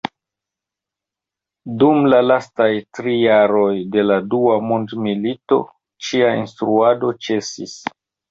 Dum la lastaj tri jaroj de la Dua mondmilito ĉia instruado ĉesis.